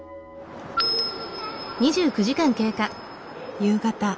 夕方。